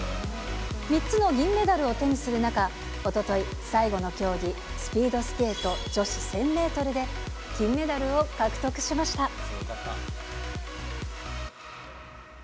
３つの銀メダルを手にする中、おととい、最後の競技、スピードスケート女子１０００メートルで、金メダルを獲得しました。